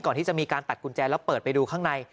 ก่อนที่จะมีการตัดกุญแจแล้วเปิดไปดูข้างใน